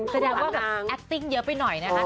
แสดงว่าแบบแอคติ้งเยอะไปหน่อยนะคะ